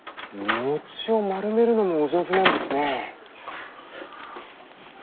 餅を丸めるのもお上手なんですね。